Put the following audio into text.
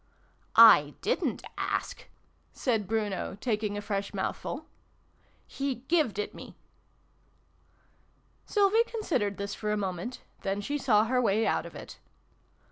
"" I didrit ask," said Bruno, taking a fresh mouthful :" he gived it me." Sylvie considered this for a moment : then she saw her way out of it.